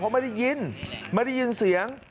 ไม่ได้ยินไม่ได้ยินเสียง